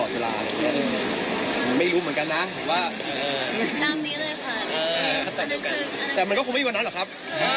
และคุณตัวคุณความรักเป็นแต่หลายรูปแบบนะครับ